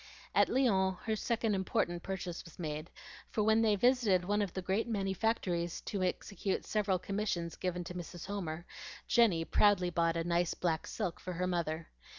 At Lyons her second important purchase was made; for when they visited one of the great manufactories to execute several commissions given to Mrs. Homer, Jenny proudly bought a nice black silk for her mother.